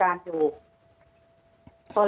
อันดับที่สุดท้าย